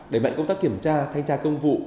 đẩy mạnh công tác kiểm tra thanh tra công vụ